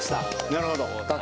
なるほど。